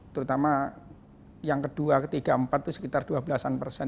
terutama yang ke dua ke tiga ke empat itu sekitar dua belas an persen